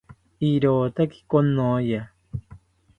Irotaki konoya